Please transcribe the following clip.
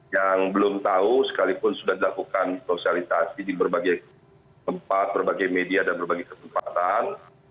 yang belum tahu sekalipun sudah dilakukan sosialisasi di berbagai tempat berbagai media dan berbagai kesempatan